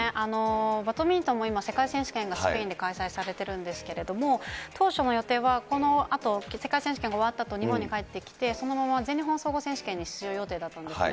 バドミントンも今、世界選手権がスペインで開催されているんですけれども、当初の予定はこのあと、世界選手権が終わったあと日本に帰ってきてそのまま全日本選手権に出場予定だったんですね。